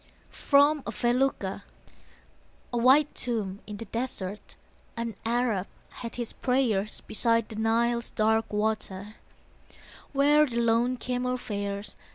FROM A FELUCCA A white tomb in the desert, An Arab at his prayers Beside the Nile's dark water, Where the lone camel fares.